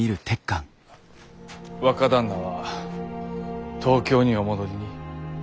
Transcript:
若旦那は東京にお戻りに？